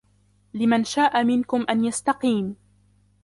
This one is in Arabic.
لِمَن شَاء مِنكُمْ أَن يَسْتَقِيمَ